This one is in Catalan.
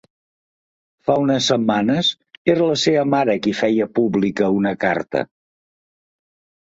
Fa unes setmanes, era la seva mare qui feia pública una carta.